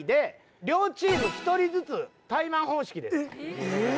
両チーム１人ずつタイマン方式です。